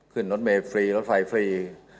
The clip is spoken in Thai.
ขึ้นรถเมย์ฟรีรถไฟฟรี